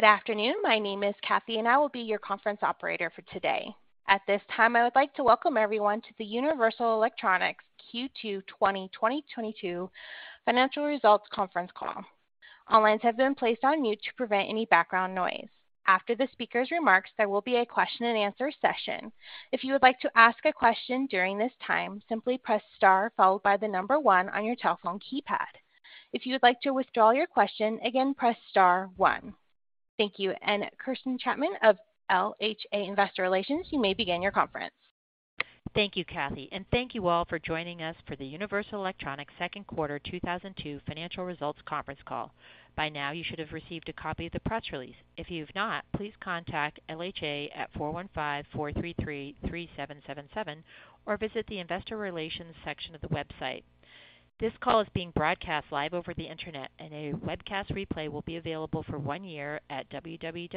Good afternoon. My name is Kathy, and I will be your conference operator for today. At this time, I would like to welcome everyone to the Universal Electronics Q2 2022 Financial Results Conference Call. All lines have been placed on mute to prevent any background noise. After the speaker's remarks, there will be a question-and-answer session. If you would like to ask a question during this time, simply press star followed by the number one on your telephone keypad. If you would like to withdraw your question, again, press star one. Thank you. Kirsten Chapman of LHA Investor Relations, you may begin your conference. Thank you, Kathy. Thank you all for joining us for the Universal Electronics Second Quarter 2002 Financial Results Conference Call. By now, you should have received a copy of the press release. If you've not, please contact LHA at 415-433-3777 or visit the investor relations section of the website. This call is being broadcast live over the Internet, and a webcast replay will be available for one year at www.uei.com.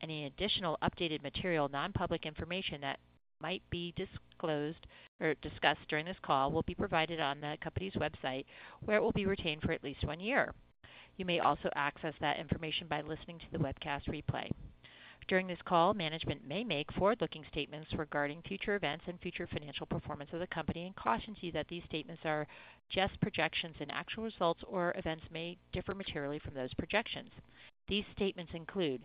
Any additional updated material, non-public information that might be disclosed or discussed during this call will be provided on the company's website, where it will be retained for at least one year. You may also access that information by listening to the webcast replay. During this call, management may make forward-looking statements regarding future events and future financial performance of the company and caution to you that these statements are just projections and actual results or events may differ materially from those projections. These statements include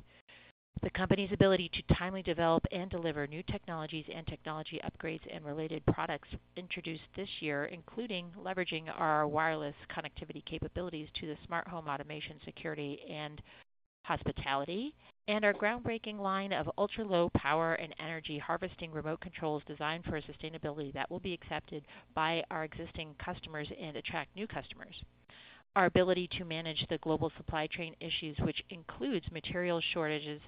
the company's ability to timely develop and deliver new technologies and technology upgrades and related products introduced this year, including leveraging our wireless connectivity capabilities to the smart home automation security and hospitality, and our groundbreaking line of ultra-low power and energy harvesting remote controls designed for sustainability that will be accepted by our existing customers and attract new customers. Our ability to manage the global supply chain issues, which includes material shortages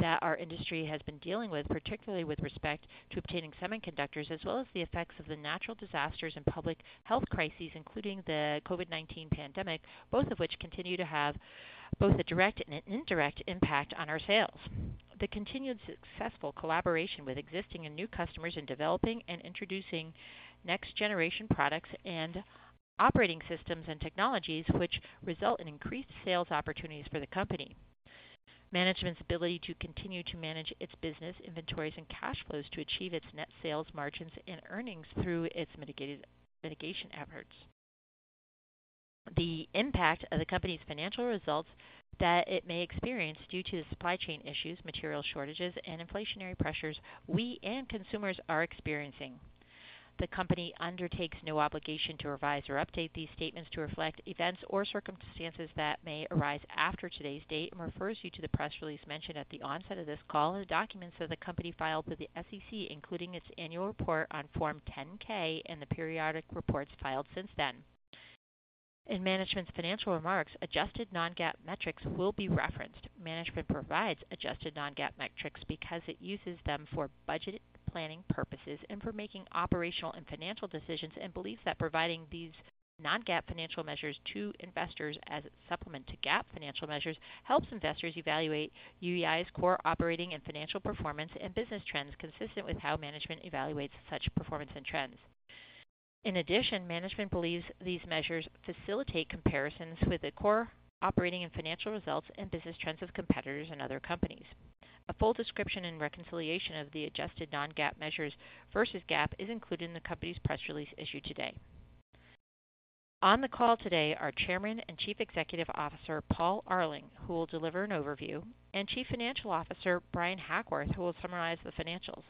that our industry has been dealing with, particularly with respect to obtaining semiconductors, as well as the effects of the natural disasters and public health crises, including the COVID-19 pandemic, both of which continue to have both a direct and an indirect impact on our sales. The continued successful collaboration with existing and new customers in developing and introducing next generation products and operating systems and technologies which result in increased sales opportunities for the company. Management's ability to continue to manage its business inventories and cash flows to achieve its net sales margins and earnings through its mitigation efforts. The impact of the company's financial results that it may experience due to supply chain issues, material shortages, and inflationary pressures we and consumers are experiencing. The company undertakes no obligation to revise or update these statements to reflect events or circumstances that may arise after today's date and refers you to the press release mentioned at the onset of this call and the documents that the company filed with the SEC, including its annual report on Form 10-K and the periodic reports filed since then. In management's financial remarks, adjusted non-GAAP metrics will be referenced. Management provides adjusted non-GAAP metrics because it uses them for budget planning purposes and for making operational and financial decisions, and believes that providing these non-GAAP financial measures to investors as a supplement to GAAP financial measures helps investors evaluate UEI's core operating and financial performance and business trends consistent with how management evaluates such performance and trends. In addition, management believes these measures facilitate comparisons with the core operating and financial results and business trends of competitors and other companies. A full description and reconciliation of the adjusted non-GAAP measures versus GAAP is included in the company's press release issued today. On the call today are Chairman and Chief Executive Officer, Paul Arling, who will deliver an overview, and Chief Financial Officer, Bryan Hackworth, who will summarize the financials.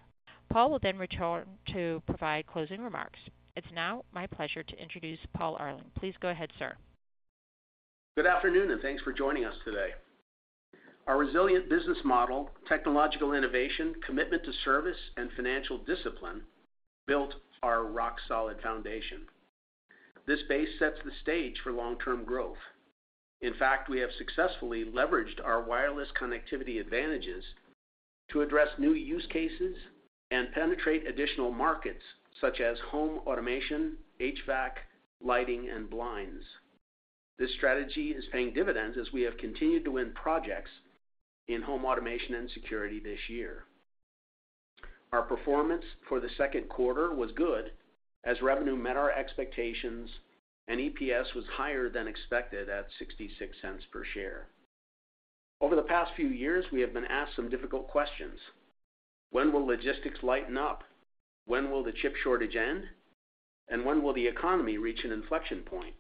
Paul will then return to provide closing remarks. It's now my pleasure to introduce Paul Arling. Please go ahead, sir. Good afternoon, and thanks for joining us today. Our resilient business model, technological innovation, commitment to service, and financial discipline built our rock-solid foundation. This base sets the stage for long-term growth. In fact, we have successfully leveraged our wireless connectivity advantages to address new use cases and penetrate additional markets such as Home Automation, HVAC, lighting, and blinds. This strategy is paying dividends as we have continued to win projects in Home Automation and security this year. Our performance for the second quarter was good as revenue met our expectations and EPS was higher than expected at $0.66 per share. Over the past few years, we have been asked some difficult questions. When will logistics lighten up? When will the chip shortage end? And when will the economy reach an inflection point?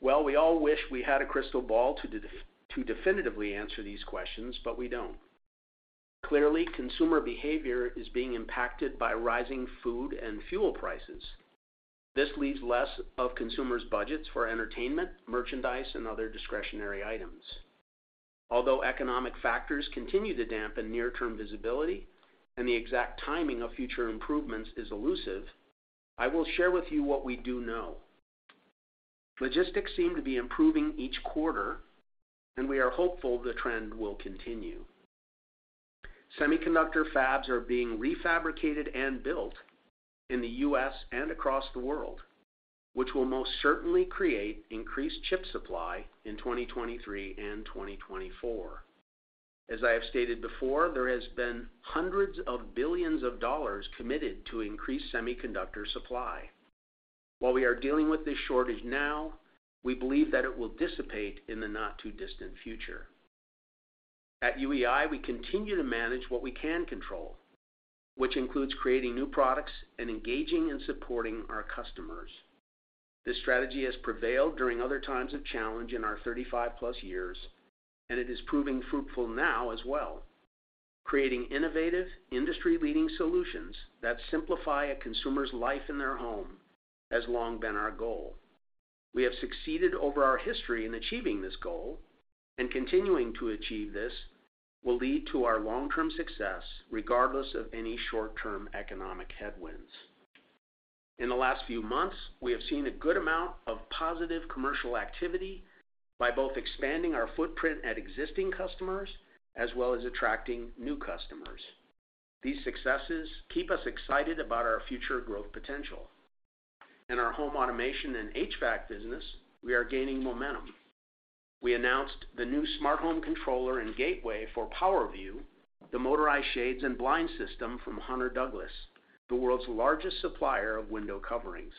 Well, we all wish we had a crystal ball to definitively answer these questions, but we don't. Clearly, consumer behavior is being impacted by rising food and fuel prices. This leaves less of consumers' budgets for entertainment, merchandise, and other discretionary items. Although economic factors continue to dampen near-term visibility and the exact timing of future improvements is elusive, I will share with you what we do know. Logistics seem to be improving each quarter, and we are hopeful the trend will continue. Semiconductor fabs are being refabricated and built in the US and across the world, which will most certainly create increased chip supply in 2023 and 2024. As I have stated before, there has been hundreds of billions of dollars committed to increase semiconductor supply. While we are dealing with this shortage now, we believe that it will dissipate in the not-too-distant future. At UEI, we continue to manage what we can control, which includes creating new products and engaging and supporting our customers. This strategy has prevailed during other times of challenge in our 35+ years, and it is proving fruitful now as well. Creating innovative, industry-leading solutions that simplify a consumer's life in their home has long been our goal. We have succeeded over our history in achieving this goal, and continuing to achieve this will lead to our long-term success regardless of any short-term economic headwinds. In the last few months, we have seen a good amount of positive commercial activity by both expanding our footprint at existing customers as well as attracting new customers. These successes keep us excited about our future growth potential. In our Home Automation and HVAC business, we are gaining momentum. We announced the new smart home controller and gateway for PowerView, the motorized shades and blinds system from Hunter Douglas, the world's largest supplier of window coverings.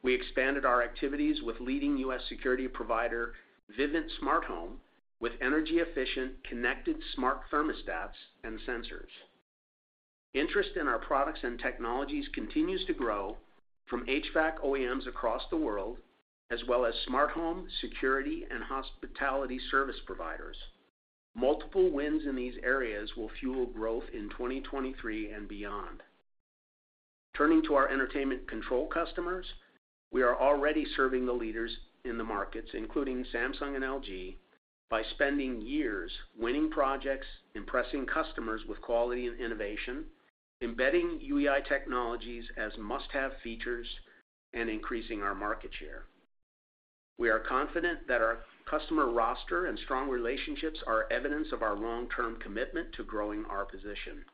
We expanded our activities with leading U.S. security provider Vivint Smart Home with energy-efficient, connected smart thermostats and sensors. Interest in our products and technologies continues to grow from HVAC OEMs across the world, as well as smart home, security, and hospitality service providers. Multiple wins in these areas will fuel growth in 2023 and beyond. Turning to our entertainment control customers, we are already serving the leaders in the markets, including Samsung and LG, by spending years winning projects, impressing customers with quality and innovation, embedding UEI technologies as must-have features, and increasing our market share. We are confident that our customer roster and strong relationships are evidence of our long-term commitment to growing our position.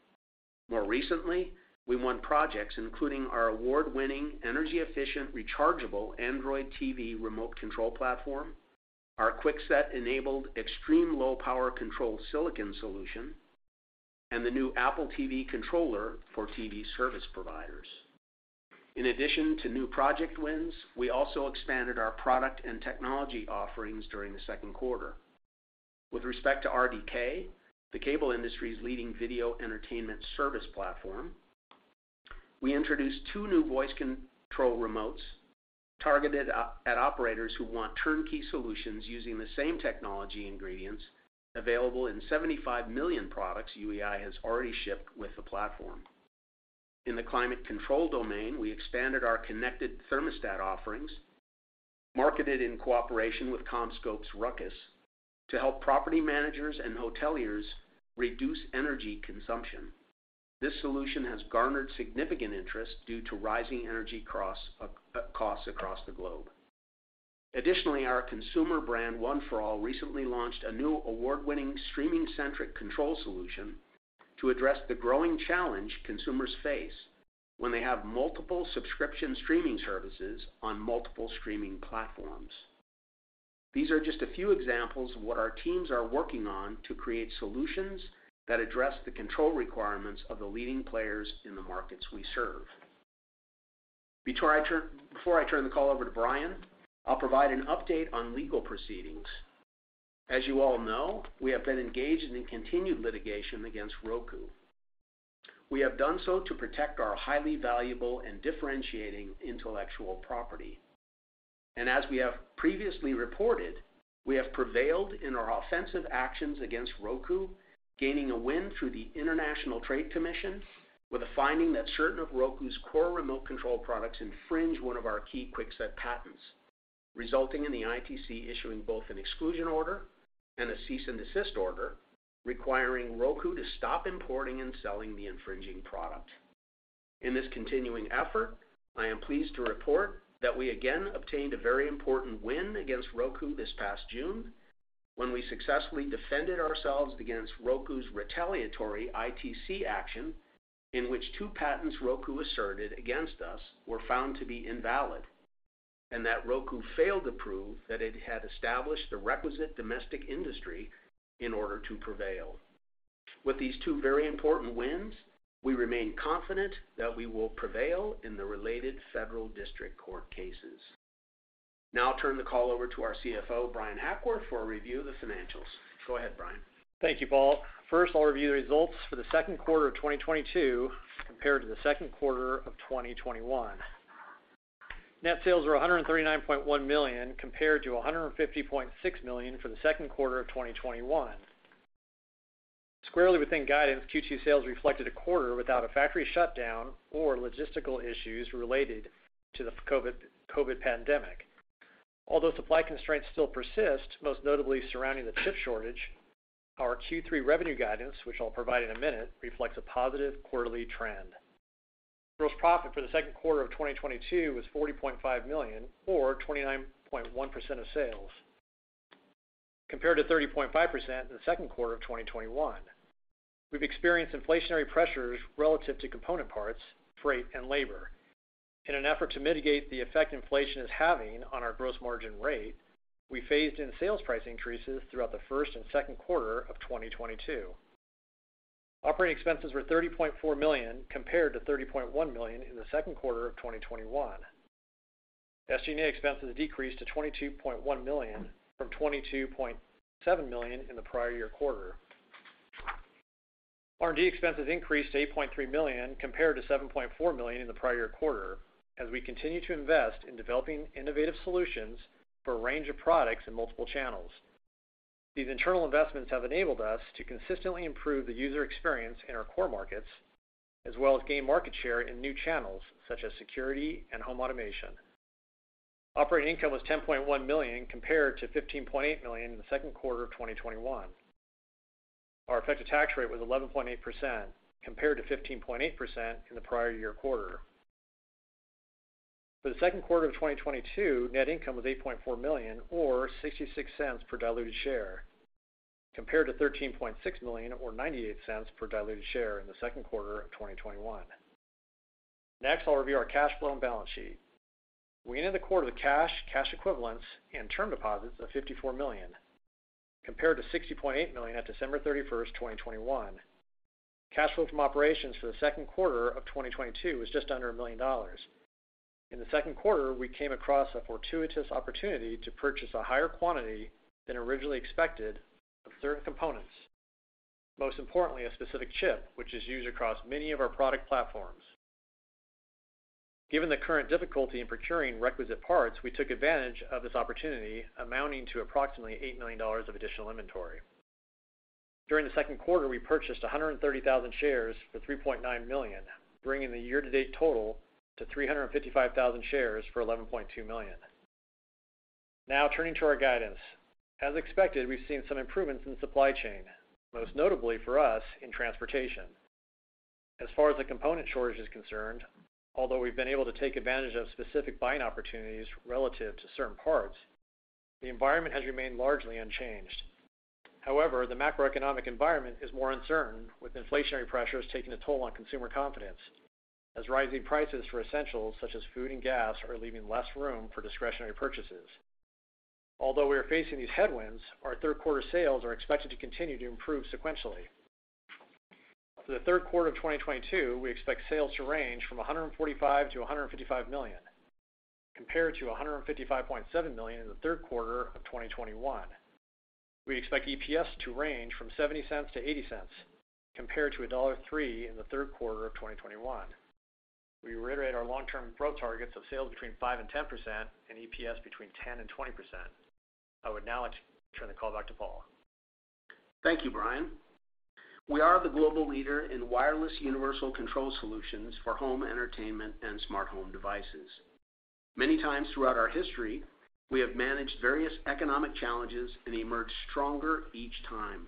More recently, we won projects including our award-winning, energy-efficient, rechargeable Android TV remote control platform, our QuickSet-enabled, extreme low power control silicon solution, and the new Apple TV controller for TV service providers. In addition to new project wins, we also expanded our product and technology offerings during the second quarter. With respect to RDK, the cable industry's leading video entertainment service platform, we introduced two new voice control remotes targeted at operators who want turnkey solutions using the same technology ingredients available in 75 million products UEI has already shipped with the platform. In the climate control domain, we expanded our connected thermostat offerings, marketed in cooperation with CommScope's Ruckus to help property managers and hoteliers reduce energy consumption. This solution has garnered significant interest due to rising energy costs across the globe. Additionally, our consumer brand, One For All, recently launched a new award-winning streaming-centric control solution to address the growing challenge consumers face when they have multiple subscription streaming services on multiple streaming platforms. These are just a few examples of what our teams are working on to create solutions that address the control requirements of the leading players in the markets we serve. Before I turn the call over to Brian, I'll provide an update on legal proceedings. As you all know, we have been engaged in continued litigation against Roku. We have done so to protect our highly valuable and differentiating intellectual property. As we have previously reported, we have prevailed in our offensive actions against Roku, gaining a win through the International Trade Commission with a finding that certain of Roku's core remote control products infringe one of our key QuickSet patents, resulting in the ITC issuing both an exclusion order and a cease and desist order, requiring Roku to stop importing and selling the infringing product. In this continuing effort, I am pleased to report that we again obtained a very important win against Roku this past June when we successfully defended ourselves against Roku's retaliatory ITC action, in which two patents Roku asserted against us were found to be invalid, and that Roku failed to prove that it had established the requisite domestic industry in order to prevail. With these two very important wins, we remain confident that we will prevail in the related federal district court cases. Now I'll turn the call over to our CFO, Bryan Hackworth, for a review of the financials. Go ahead, Bryan. Thank you, Paul. First, I'll review the results for the second quarter of 2022 compared to the second quarter of 2021. Net sales were $139.1 million, compared to $150.6 million for the second quarter of 2021. Squarely within guidance, Q2 sales reflected a quarter without a factory shutdown or logistical issues related to the COVID pandemic. Although supply constraints still persist, most notably surrounding the chip shortage, our Q3 revenue guidance, which I'll provide in a minute, reflects a positive quarterly trend. Gross profit for the second quarter of 2022 was $40.5 million or 29.1% of sales, compared to 30.5% in the second quarter of 2021. We've experienced inflationary pressures relative to component parts, freight, and labor. In an effort to mitigate the effect inflation is having on our gross margin rate, we phased in sales price increases throughout the first and second quarter of 2022. Operating expenses were $30.4 million compared to $30.1 million in the second quarter of 2021. SG&A expenses decreased to $22.1 million from $22.7 million in the prior year quarter. R&D expenses increased to $8.3 million compared to $7.4 million in the prior year quarter, as we continue to invest in developing innovative solutions for a range of products in multiple channels. These internal investments have enabled us to consistently improve the user experience in our core markets, as well as gain market share in new channels such as security and Home Automation. Operating income was $10.1 million compared to $15.8 million in the second quarter of 2021. Our effective tax rate was 11.8% compared to 15.8% in the prior year quarter. For the second quarter of 2022, net income was $8.4 million or $0.66 per diluted share, compared to $13.6 million or $0.98 per diluted share in the second quarter of 2021. Next, I'll review our cash flow and balance sheet. We ended the quarter with cash equivalents, and term deposits of $54 million, compared to $60.8 million at December 31st, 2021. Cash flow from operations for the second quarter of 2022 was just under $1 million. In the second quarter, we came across a fortuitous opportunity to purchase a higher quantity than originally expected of certain components, most importantly, a specific chip which is used across many of our product platforms. Given the current difficulty in procuring requisite parts, we took advantage of this opportunity, amounting to approximately $8 million of additional inventory. During the second quarter, we purchased 130,000 shares for $3.9 million, bringing the year-to-date total to 355,000 shares for $11.2 million. Now turning to our guidance. As expected, we've seen some improvements in supply chain, most notably for us in transportation. As far as the component shortage is concerned, although we've been able to take advantage of specific buying opportunities relative to certain parts, the environment has remained largely unchanged. However, the macroeconomic environment is more uncertain, with inflationary pressures taking a toll on consumer confidence as rising prices for essentials such as food and gas are leaving less room for discretionary purchases. Although we are facing these headwinds, our third quarter sales are expected to continue to improve sequentially. For the third quarter of 2022, we expect sales to range from $145 million-$155 million, compared to $155.7 million in the third quarter of 2021. We expect EPS to range from $0.70-$0.80, compared to $1.03 in the third quarter of 2021. We reiterate our long-term growth targets of sales between 5% and 10% and EPS between 10% and 20%. I would now like to turn the call back to Paul. Thank you, Brian. We are the global leader in wireless universal control solutions for home entertainment and smart home devices. Many times throughout our history, we have managed various economic challenges and emerged stronger each time.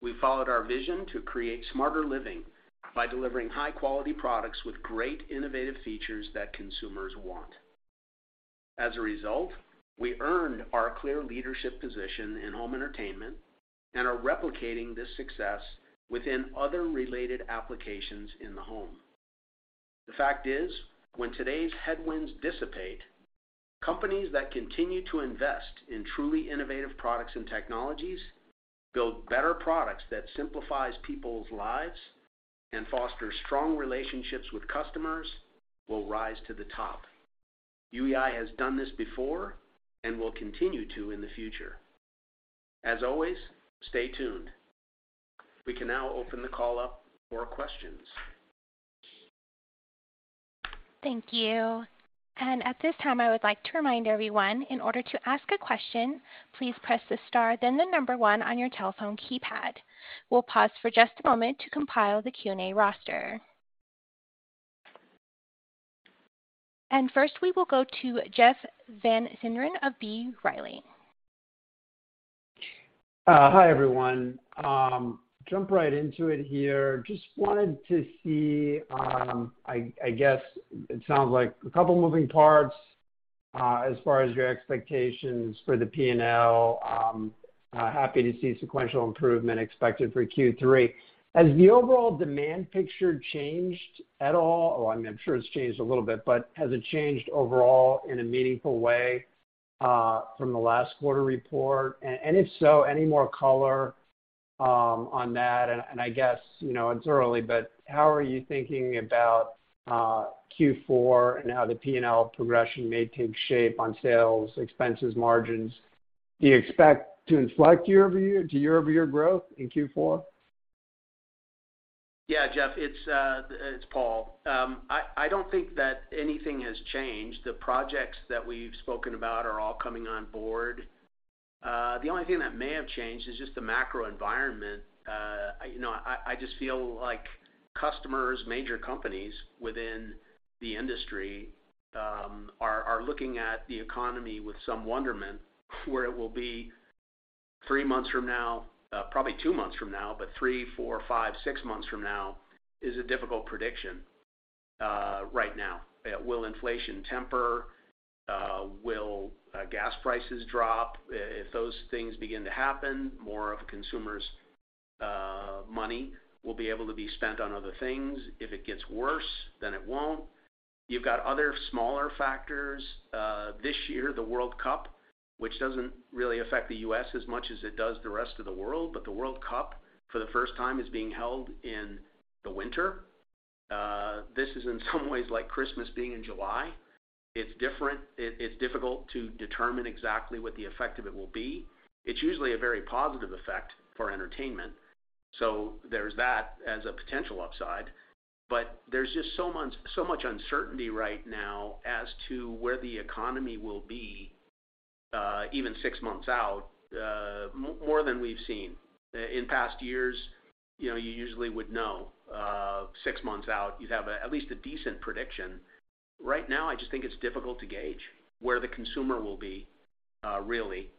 We followed our vision to create smarter living by delivering high-quality products with great innovative features that consumers want. As a result, we earned our clear leadership position in home entertainment and are replicating this success within other related applications in the home. The fact is, when today's headwinds dissipate, companies that continue to invest in truly innovative products and technologies, build better products that simplifies people's lives, and foster strong relationships with customers will rise to the top. UEI has done this before and will continue to in the future. As always, stay tuned. We can now open the call up for questions. Thank you. At this time, I would like to remind everyone, in order to ask a question, please press the star, then the number one on your telephone keypad. We'll pause for just a moment to compile the Q&A roster. First, we will go to Jeff Van Sinderen of B. Riley. Hi, everyone. Jump right into it here. Just wanted to see, I guess it sounds like a couple moving parts, as far as your expectations for the P&L. Happy to see sequential improvement expected for Q3. Has the overall demand picture changed at all? Well, I'm sure it's changed a little bit, but has it changed overall in a meaningful way, from the last quarter report? If so, any more color on that? I guess, you know, it's early, but how are you thinking about Q4 and how the P&L progression may take shape on sales, expenses, margins? Do you expect to inflect year-over-year growth in Q4? Yeah, Jeff, it's Paul. I don't think that anything has changed. The projects that we've spoken about are all coming on board. The only thing that may have changed is just the macro environment. You know, I just feel like customers, major companies within the industry, are looking at the economy with some wonderment where it will be three months from now, probably two months from now, but three, four, five, six months from now is a difficult prediction, right now. Will inflation temper? Will gas prices drop? If those things begin to happen, more of consumers' money will be able to be spent on other things. If it gets worse, then it won't. You've got other smaller factors. This year, the World Cup which doesn't really affect the U.S. as much as it does the rest of the world. The World Cup, for the first time, is being held in the winter. This is in some ways like Christmas being in July. It's different. It's difficult to determine exactly what the effect of it will be. It's usually a very positive effect for entertainment, so there's that as a potential upside. There's just so much uncertainty right now as to where the economy will be, even six months out, more than we've seen. In past years, you know, you usually would know, six months out, you'd have at least a decent prediction. Right now, I just think it's difficult to gauge where the consumer will be, really,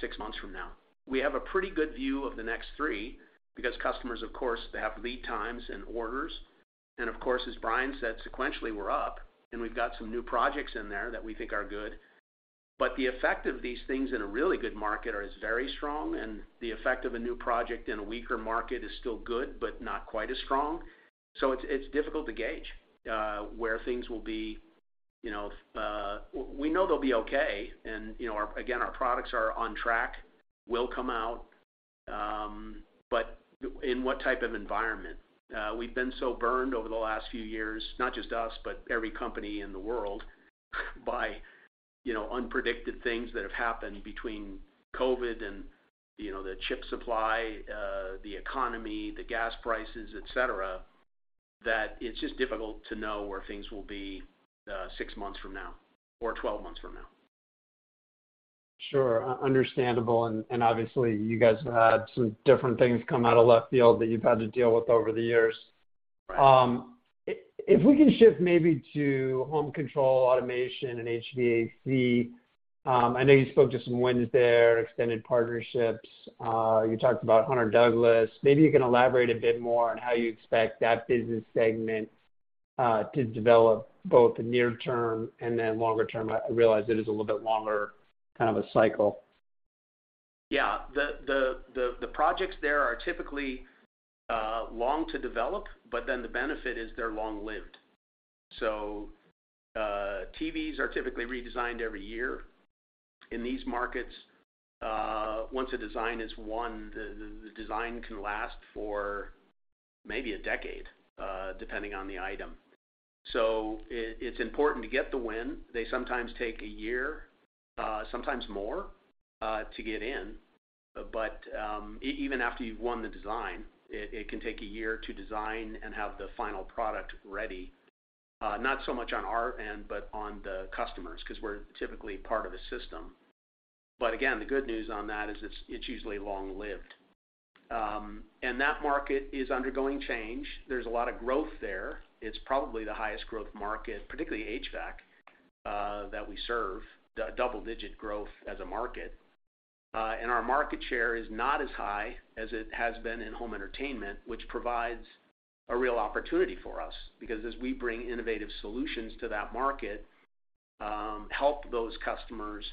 six months from now. We have a pretty good view of the next three because customers, of course, they have lead times and orders. Of course, as Brian said, sequentially, we're up, and we've got some new projects in there that we think are good. The effect of these things in a really good market is very strong, and the effect of a new project in a weaker market is still good, but not quite as strong. It's difficult to gauge where things will be. You know, we know they'll be okay. You know, again, our products are on track, will come out, but in what type of environment? We've been so burned over the last few years, not just us, but every company in the world, by, you know, unpredicted things that have happened between COVID and, you know, the chip supply, the economy, the gas prices, et cetera, that it's just difficult to know where things will be, six months from now or 12 months from now. Sure. Understandable. Obviously you guys have had some different things come out of left field that you've had to deal with over the years. Right. If we can shift maybe to home control automation and HVAC. I know you spoke to some wins there, extended partnerships. You talked about Hunter Douglas. Maybe you can elaborate a bit more on how you expect that business segment to develop both the near term and then longer-term. I realize it is a little bit longer kind of a cycle. Yeah. The projects there are typically long to develop, but then the benefit is they're long-lived. So, TVs are typically redesigned every year. In these markets, once a design is won, the design can last for maybe a decade, depending on the item. It's important to get the win. They sometimes take a year, sometimes more, to get in. But even after you've won the design, it can take a year to design and have the final product ready, not so much on our end, but on the customers, 'cause we're typically part of a system. But again, the good news on that is it's usually long-lived. That market is undergoing change. There's a lot of growth there. It's probably the highest growth market, particularly HVAC, that we serve, double-digit growth as a market. Our market share is not as high as it has been in home entertainment, which provides a real opportunity for us because as we bring innovative solutions to that market, help those customers,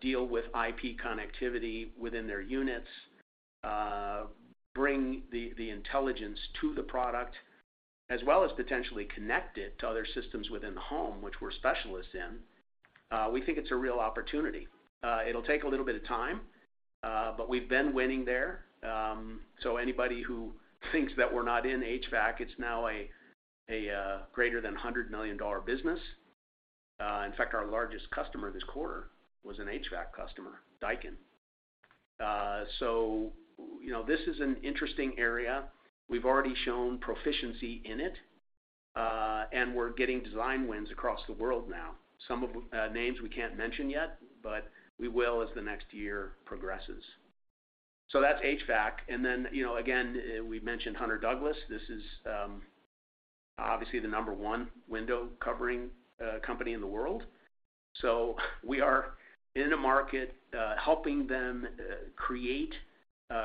deal with IP connectivity within their units, bring the intelligence to the product as well as potentially connect it to other systems within the home, which we're specialists in, we think it's a real opportunity. It'll take a little bit of time, but we've been winning there. Anybody who thinks that we're not in HVAC, it's now a greater than $100 million business. In fact, our largest customer this quarter was an HVAC customer, Daikin. You know, this is an interesting area. We've already shown proficiency in it, and we're getting design wins across the world now. Some of names we can't mention yet, but we will as the next year progresses. That's HVAC. Then, you know, again, we mentioned Hunter Douglas. This is obviously the number one window covering company in the world. We are in a market helping them create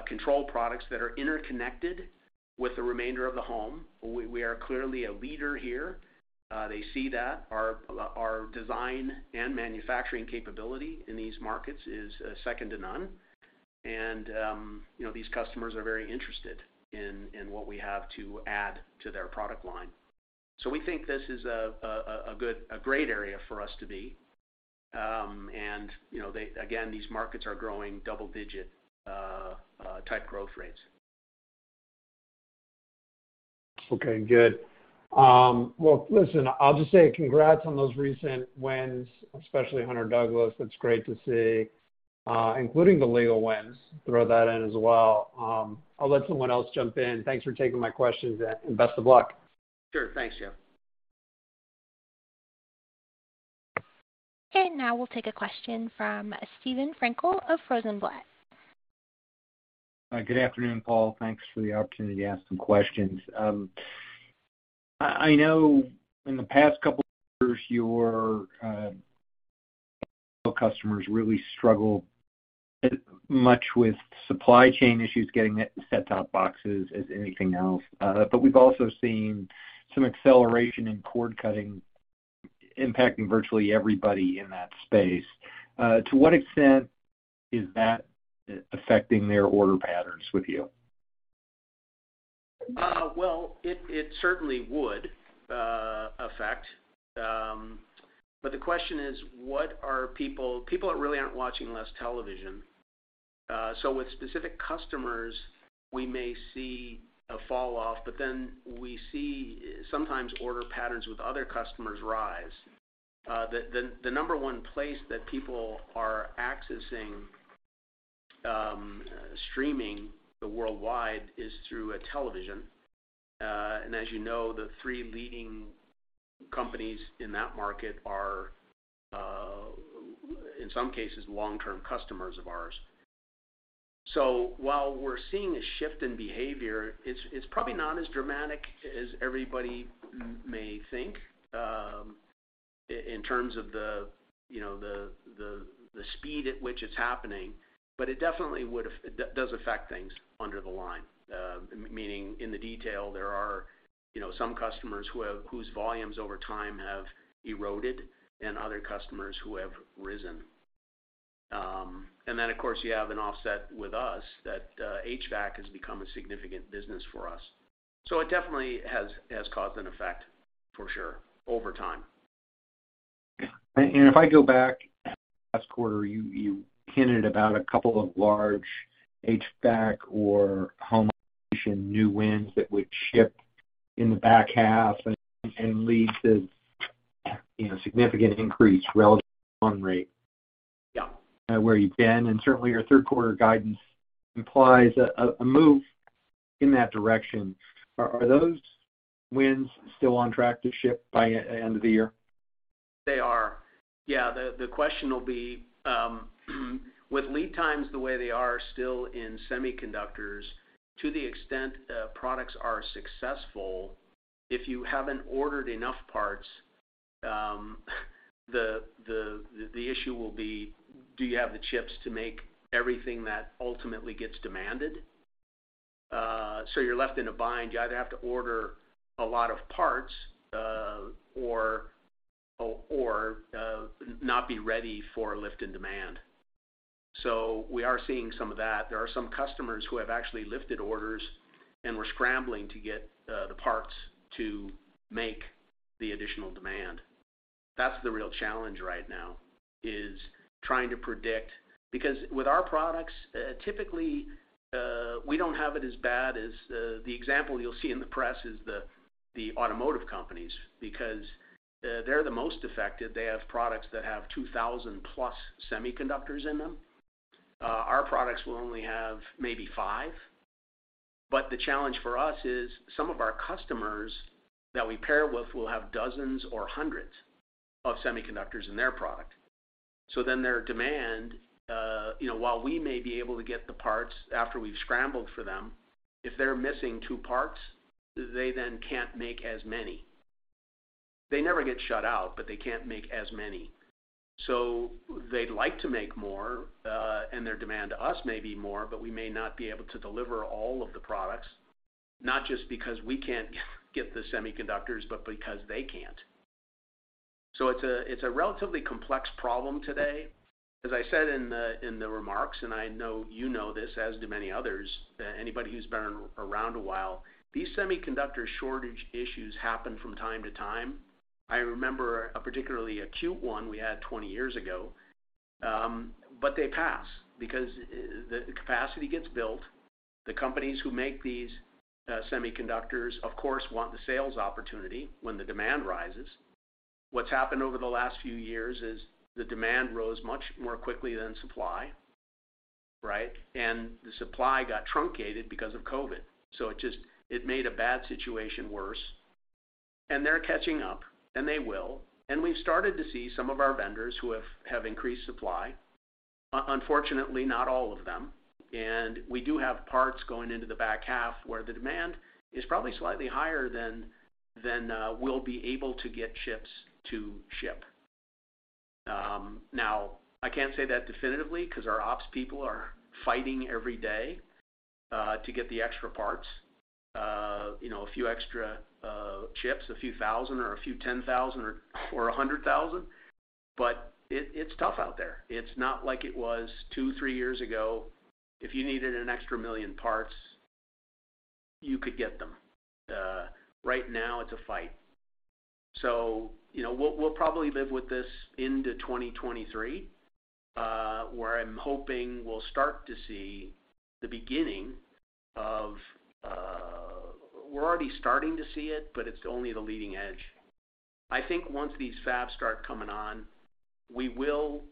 control products that are interconnected with the remainder of the home. We are clearly a leader here. They see that. Our design and manufacturing capability in these markets is second to none. You know, these customers are very interested in what we have to add to their product line. We think this is a great area for us to be. You know, again, these markets are growing double-digit type growth rates. Okay, good. Well, listen, I'll just say congrats on those recent wins, especially Hunter Douglas. That's great to see, including the legal wins. Throw that in as well. I'll let someone else jump in. Thanks for taking my questions, and best of luck. Sure. Thanks, Jeff. Okay. Now we'll take a question from Steven Frankel of Rosenblatt. Good afternoon, Paul. Thanks for the opportunity to ask some questions. I know in the past couple of years, your customers really struggle much with supply chain issues, getting set-top boxes and anything else. We've also seen some acceleration in cord cutting impacting virtually everybody in that space. To what extent is that affecting their order patterns with you? Well, it certainly would affect. The question is, what are people— People really aren't watching less television. With specific customers, we may see a falloff, but then we see sometimes order patterns with other customers rise. The number one place that people are accessing streaming worldwide is through a television. As you know, the three leading companies in that market are, in some cases, long-term customers of ours. While we're seeing a shift in behavior, it's probably not as dramatic as everybody may think, in terms of the, you know, the speed at which it's happening. It definitely does affect things under the line. Meaning in the detail, there are, you know, some customers whose volumes over time have eroded and other customers who have risen. Of course, you have an offset with us that HVAC has become a significant business for us. It definitely has caused an effect, for sure, over time. If I go back last quarter, you hinted about a couple of large HVAC or Home Automation new wins that would ship in the back half and lead to, you know, significant increase relative run rate. Yeah Where you've been, and certainly your third quarter guidance implies a move in that direction. Are those wins still on track to ship by end of the year? They are. Yeah, the question will be, with lead times the way they are still in semiconductors, to the extent the products are successful, if you haven't ordered enough parts, the issue will be, do you have the chips to make everything that ultimately gets demanded? You're left in a bind. You either have to order a lot of parts, or not be ready for a lift in demand. We are seeing some of that. There are some customers who have actually lifted orders, and we're scrambling to get the parts to make the additional demand. That's the real challenge right now is trying to predict. Because with our products, typically, we don't have it as bad as the example you'll see in the press is the automotive companies, because they're the most affected. They have products that have 2000+ semiconductors in them. Our products will only have maybe five. The challenge for us is some of our customers that we pair with will have dozens or hundreds of semiconductors in their product. Their demand, you know, while we may be able to get the parts after we've scrambled for them, if they're missing two parts, they then can't make as many. They never get shut-out, but they can't make as many. They'd like to make more, and their demand to us may be more, but we may not be able to deliver all of the products, not just because we can't get the semiconductors, but because they can't. It's a relatively complex problem today. As I said in the remarks, and I know you know this, as do many others, anybody who's been around a while, these semiconductor shortage issues happen from time to time. I remember a particularly acute one we had 20 years ago. They pass because the capacity gets built. The companies who make these semiconductors, of course, want the sales opportunity when the demand rises. What's happened over the last few years is the demand rose much more quickly than supply, right? The supply got truncated because of COVID. It just made a bad situation worse, and they're catching up, and they will. We've started to see some of our vendors who have increased supply, unfortunately, not all of them. We do have parts going into the back half where the demand is probably slightly higher than we'll be able to get chips to ship. Now, I can't say that definitively because our ops people are fighting every day to get the extra parts, you know, a few extra chips, a few thousand or a few 10,000 or 100,000. It's tough out there. It's not like it was two or three years ago. If you needed an extra million parts, you could get them. Right now it's a fight. You know, we'll probably live with this into 2023, where I'm hoping we'll start to see the beginning of. We're already starting to see it, but it's only the leading edge. I think once these fabs start coming on, we will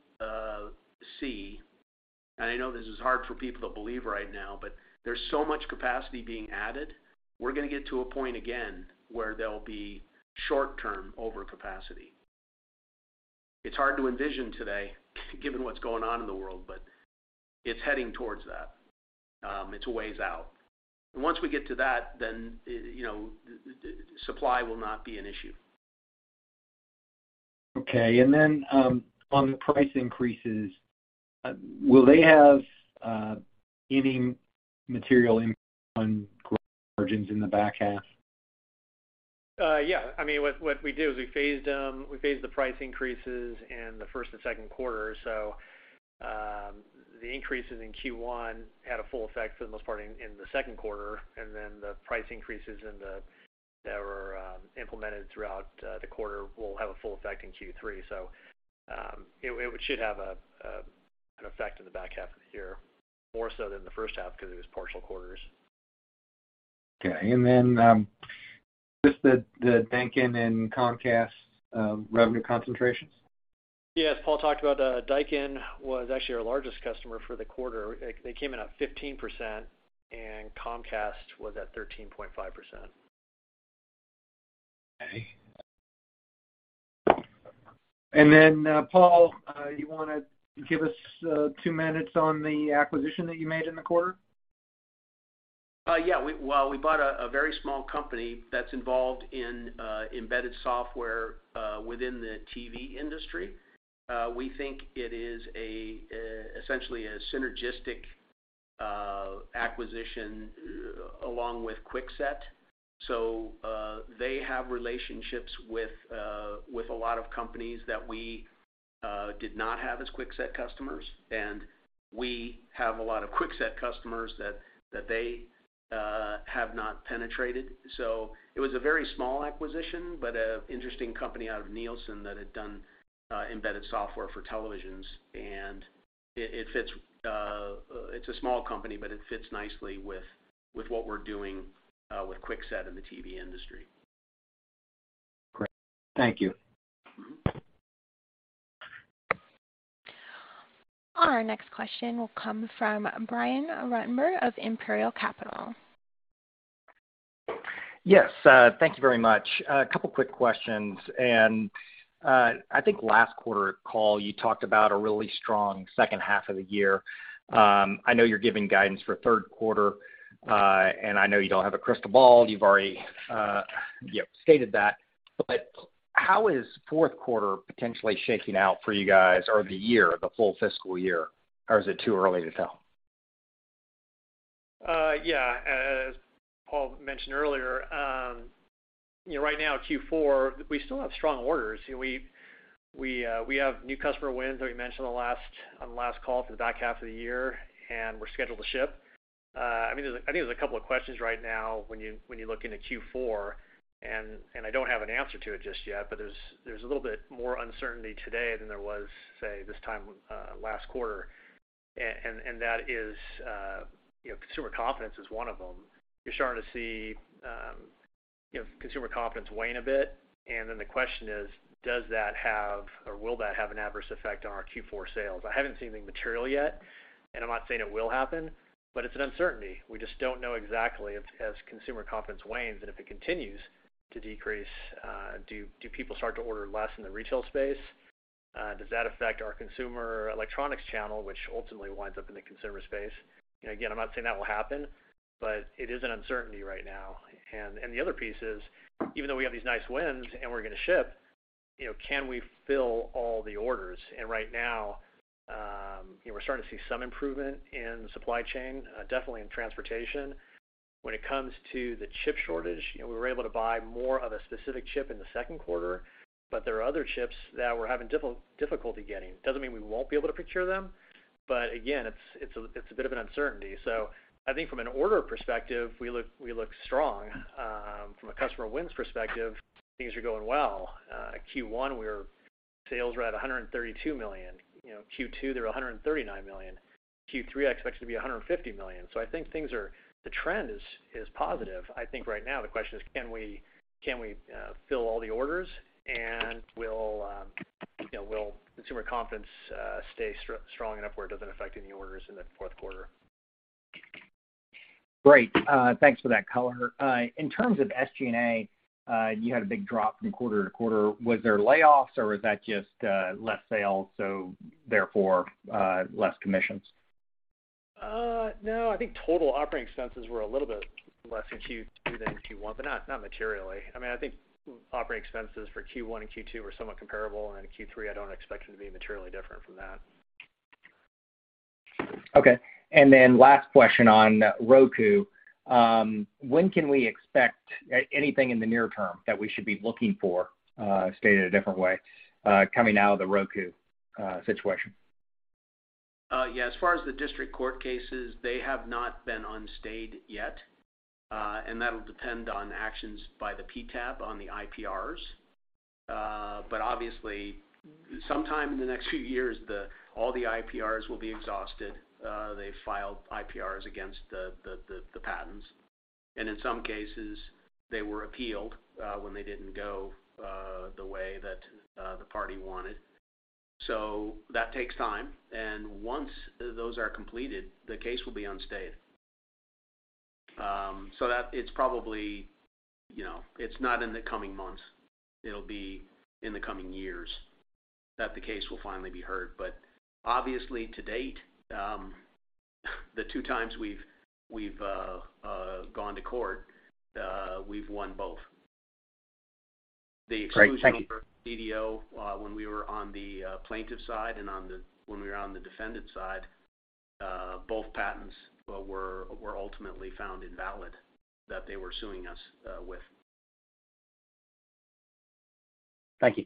see, and I know this is hard for people to believe right now, but there's so much capacity being added. We're gonna get to a point again where there'll be short term overcapacity. It's hard to envision today, given what's going on in the world, but it's heading towards that. It's a ways out. Once we get to that, then, you know, supply will not be an issue. Okay. On the price increases, will they have any material impact on gross margins in the back half? Yeah. I mean, what we do is we phased the price increases in the first and second quarter. The increases in Q1 had a full effect for the most part in the second quarter, and then the price increases that were implemented throughout the quarter will have a full effect in Q3. It should have an effect in the back half of the year, more so than the first half because it was partial quarters. Just the Daikin and Comcast revenue concentrations. Yes, Paul talked about Daikin was actually our largest customer for the quarter. They came in at 15%, and Comcast was at 13.5%. Okay. Paul, you wanna give us two minutes on the acquisition that you made in the quarter? Yeah. We bought a very small company that's involved in embedded software within the TV industry. We think it is essentially a synergistic acquisition along with QuickSet. They have relationships with a lot of companies that we did not have as QuickSet customers, and we have a lot of QuickSet customers that they have not penetrated. It was a very small acquisition, but an interesting company out of Nielsen that had done embedded software for televisions. It fits. It's a small company, but it fits nicely with what we're doing with QuickSet in the TV industry. Great. Thank you. Mm-hmm. Our next question will come from Brian Ruttenbur of Imperial Capital. Yes. Thank you very much. A couple quick questions. I think last quarter call, you talked about a really strong second half of the year. I know you're giving guidance for third quarter, and I know you don't have a crystal ball. You've already, you know, stated that. But how is fourth quarter potentially shaking out for you guys or the year, the full fiscal year? Or is it too early to tell? Yeah. As Paul mentioned earlier, you know, right now, Q4, we still have strong orders. You know, we have new customer wins that we mentioned the last, on the last call for the back half of the year, and we're scheduled to ship. I mean, I think there's a couple of questions right now when you look into Q4, and I don't have an answer to it just yet, but there's a little bit more uncertainty today than there was, say, this time last quarter. That is, you know, consumer confidence is one of them. You're starting to see, you know, consumer confidence wane a bit. The question is, does that have or will that have an adverse effect on our Q4 sales? I haven't seen anything material yet, and I'm not saying it will happen, but it's an uncertainty. We just don't know exactly as consumer confidence wanes, and if it continues to decrease, do people start to order less in the retail space? Does that affect our consumer electronics channel, which ultimately winds up in the consumer space? Again, I'm not saying that will happen, but it is an uncertainty right now. The other piece is, even though we have these nice wins and we're gonna ship, you know, can we fill all the orders? Right now, you know, we're starting to see some improvement in supply chain, definitely in transportation. When it comes to the chip shortage, you know, we were able to buy more of a specific chip in the second quarter, but there are other chips that we're having difficulty getting. It doesn't mean we won't be able to procure them, but again, it's a bit of an uncertainty. I think from an order perspective, we look strong. From a customer wins perspective, things are going well. Q1, sales were at $132 million. You know, Q2, they were $139 million. Q3, I expect it to be $150 million. I think the trend is positive. I think right now the question is, can we fill all the orders, and will you know consumer confidence stay strong enough where it doesn't affect any orders in the fourth quarter? Great. Thanks for that color. In terms of SG&A, you had a big drop from quarter to quarter. Was there layoffs or was that just less sales, so therefore less commissions? No. I think total operating expenses were a little bit less in Q2 than in Q1, but not materially. I mean, I think operating expenses for Q1 and Q2 were somewhat comparable, and in Q3, I don't expect them to be materially different from that. Okay. Then last question on Roku. When can we expect anything in the near term that we should be looking for, stated a different way, coming out of the Roku situation? Yeah. As far as the district court cases, they have not been unstayed yet, and that'll depend on actions by the PTAB on the IPRs. But obviously, sometime in the next few years, all the IPRs will be exhausted. They've filed IPRs against the patents, and in some cases, they were appealed when they didn't go the way that the party wanted. That takes time, and once those are completed, the case will be unstayed. That it's probably, you know, it's not in the coming months, it'll be in the coming years that the case will finally be heard. Obviously, to date, the two times we've gone to court, we've won both. The exclusion order BDO, when we were on the plaintiff side and when we were on the defendant side, both patents were ultimately found invalid that they were suing us with. Thank you.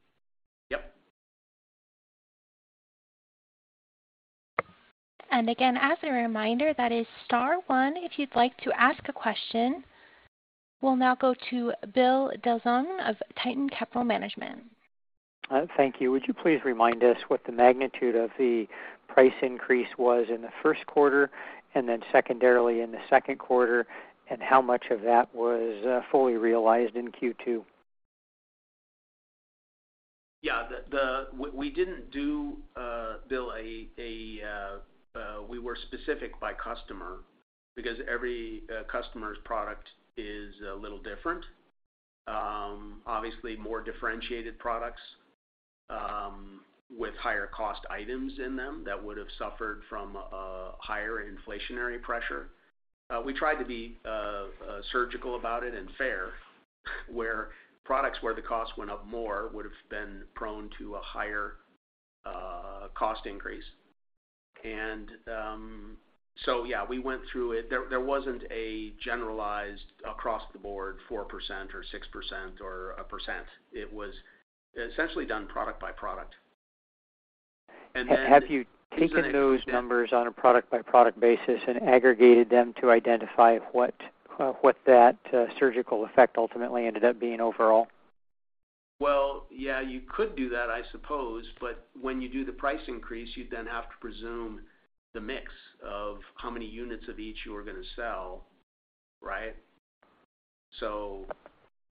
Yep. Again, as a reminder, that is star one if you'd like to ask a question. We'll now go to Bill Dezellem of Tieton Capital Management. Thank you. Would you please remind us what the magnitude of the price increase was in the first quarter and then secondarily in the second quarter, and how much of that was fully realized in Q2? Yeah. We didn't do a blanket. We were specific by customer because every customer's product is a little different. Obviously more differentiated products with higher cost items in them that would've suffered from higher inflationary pressure. We tried to be surgical about it and fair, for products where the cost went up more would've been prone to a higher cost increase. Yeah, we went through it. There wasn't a generalized across-the-board 4% or 6% or 1%. It was essentially done product by product. Then Have you taken those numbers on a product-by-product basis and aggregated them to identify what that surgical effect ultimately ended up being overall? Well, yeah, you could do that I suppose, but when you do the price increase, you then have to presume the mix of how many units of each you are gonna sell, right?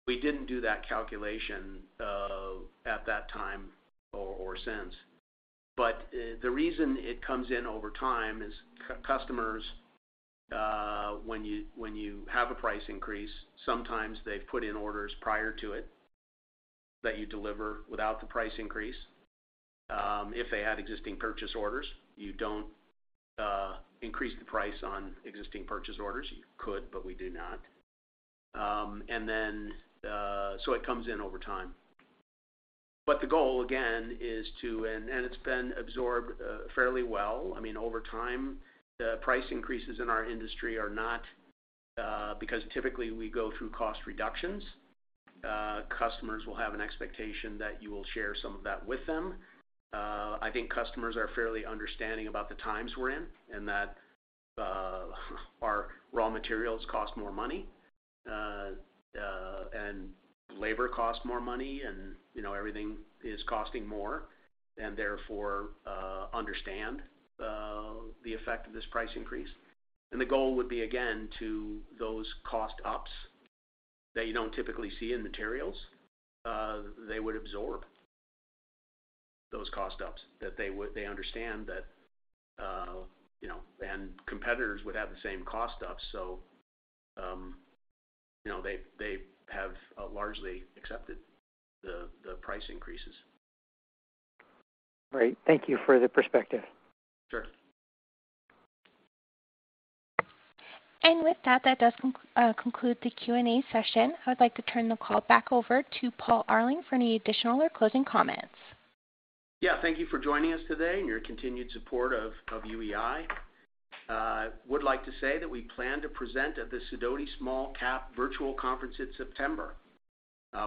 We didn't do that calculation at that time or since. The reason it comes in over time is customers, when you have a price increase, sometimes they've put in orders prior to it that you deliver without the price increase. If they had existing purchase orders, you don't increase the price on existing purchase orders. You could, but we do not. It comes in over time. The goal again is to. It's been absorbed fairly well. I mean, over time, the price increases in our industry are not because typically we go through cost reductions, customers will have an expectation that you will share some of that with them. I think customers are fairly understanding about the times we're in, and that our raw materials cost more money, and labor costs more money and, you know, everything is costing more, and therefore understand the effect of this price increase. The goal would be again to those cost ups that you don't typically see in materials, they would absorb those cost ups. They understand that, you know. Competitors would have the same cost ups, so, you know, they have largely accepted the price increases. Great. Thank you for the perspective. Sure. With that does conclude the Q&A session. I would like to turn the call back over to Paul Arling for any additional or closing comments. Yeah. Thank you for joining us today and your continued support of UEI. Would like to say that we plan to present at the Sidoti Small-Cap Virtual Conference in September.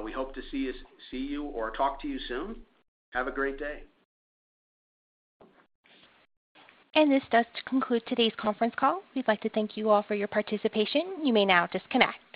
We hope to see you or talk to you soon. Have a great day. This does conclude today's conference call. We'd like to thank you all for your participation. You may now disconnect.